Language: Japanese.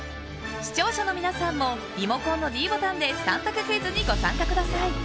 視聴者の皆さんもリモコンのｄボタンで３択クイズにご参加ください。